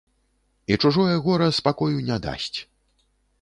І чужое гора спакою не дасць.